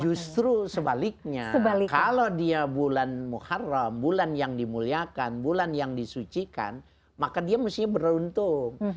justru sebaliknya kalau dia bulan muharram bulan yang dimuliakan bulan yang disucikan maka dia mesti beruntung